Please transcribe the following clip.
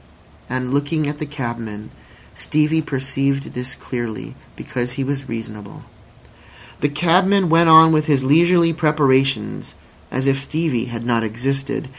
And looking at the cabman, Stevie perceived this clearly, because he was reasonable. The cabman went on with his leisurely preparations as if Stevie had not existed.